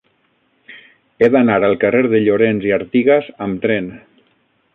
He d'anar al carrer de Llorens i Artigas amb tren.